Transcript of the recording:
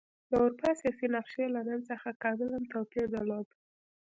د اروپا سیاسي نقشې له نن سره کاملا توپیر درلود.